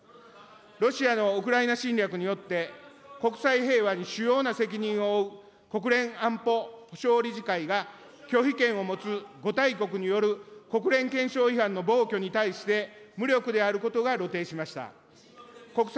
ロシアのウクライナ侵略によって、国際平和に主要な責任を負う国連安保保障理事会が拒否権を持つ５大国による国連憲章違反の暴挙に対して、無力であることが露呈しました。